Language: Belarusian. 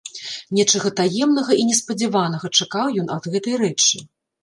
Нечага таемнага і неспадзяванага чакаў ён ад гэтай рэчы.